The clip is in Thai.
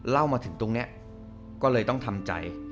มาถึงตรงนี้ก็เลยต้องทำใจ